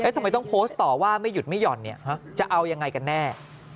ทำไมต้องโพสต์ต่อว่าไม่หยุดไม่ห่อนจะเอายังไงกันแน่